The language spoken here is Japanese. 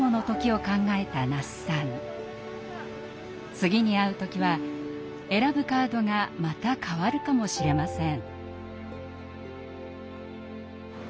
次に会う時は選ぶカードがまた変わるかもしれません。